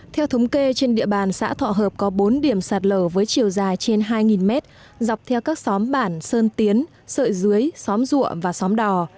theo thống kê trên địa bàn xã thọ hợp có bốn điểm sạt lở với chiều dài trên hai mét dọc theo các xóm bản sơn tiến sợi dưới xóm rụa và xóm đò